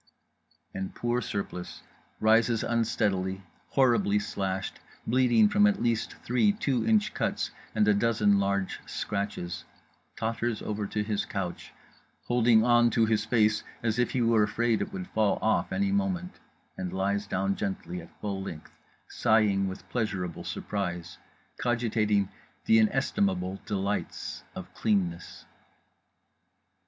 _" and poor Surplice rises unsteadily, horribly slashed, bleeding from at least three two inch cuts and a dozen large scratches; totters over to his couch holding on to his face as if he were afraid it would fall off any moment; and lies down gently at full length, sighing with pleasurable surprise, cogitating the inestimable delights of cleanness….